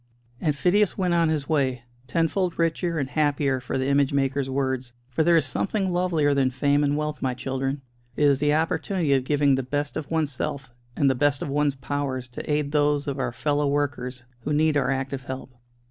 And Phidias went on his way, tenfold richer and happier for the image maker's words. For there is something lovelier than fame and wealth, my children; it is the opportunity of giving the best of one's self and the best of one's powers to aid those of our fellow workers who need our active help.